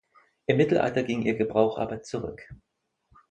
Im Mittelalter ging ihr Gebrauch aber zurück.